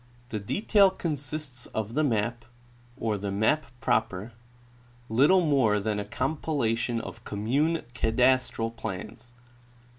The detail consists of the map, or the map proper, httle more than a compilation of commune cadastral plans.